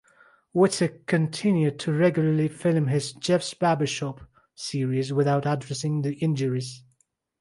Wittek continued to regularly film his "Jeff’s Barbershop" series without addressing the injuries.